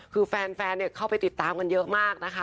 คือแฟนเข้าไปติดตามกันเยอะมากนะคะ